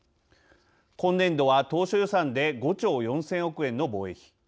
今年度は当初予算で５兆４０００億円の防衛費。